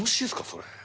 それ。